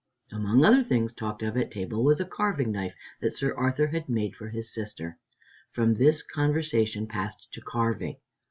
Among other things talked of at table was a carving knife that Sir Arthur had made for his sister. From this the conversation passed to carving.